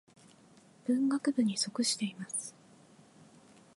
文学部に属しています。